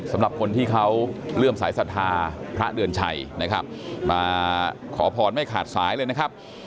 สำหรับคนที่เขาเลื่อมสายศรัทธาพระเดือนชัยนะครับมาขอพรไม่ขาดสายเลยนะครับ